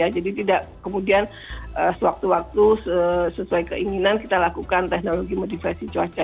jadi tidak kemudian sewaktu waktu sesuai keinginan kita lakukan teknologi modifisi cuaca